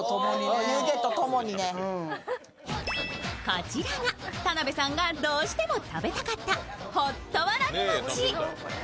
こちらが田辺さんが、どうしても食べたかった、ほっとわらび餅。